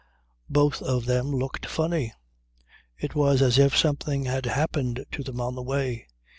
Both of them looked funny. It was as if something had happened to them on the way.